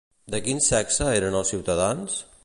De quin sexe eren els ciutadans?